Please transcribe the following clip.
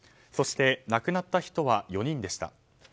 そして、亡くなった人は４人でした。